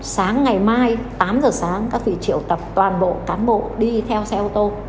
sáng ngày mai tám giờ sáng các vị triệu tập toàn bộ cán bộ đi theo xe ô tô